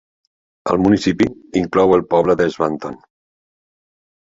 El municipi inclou el poble de Swanton.